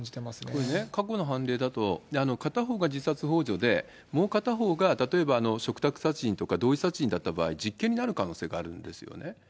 これね、過去の判例だと、片方が自殺ほう助で、もう片方が例えば嘱託殺人とか同意殺人だった場合、実刑になる可能性があるんですよね。